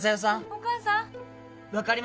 お母さん。